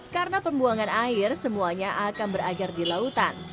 karena pembuangan air semuanya akan berajar di lautan